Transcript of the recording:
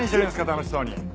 楽しそうに。